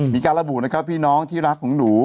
มีการระบุนะครับพี่น้องที่รักของหนู